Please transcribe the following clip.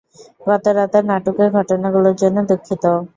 গত রাতের নাটুকে ঘটনাগুলোর জন্য দুঃখিত।